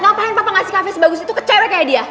ngapain papa ngasih kafe sebagus itu kecewa kayak dia